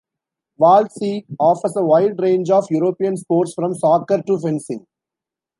Waldsee offers a wide range of European sports from soccer to fencing.